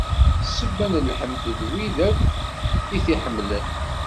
D ssebba n lḥemd n wid akk i t-iḥemmlen.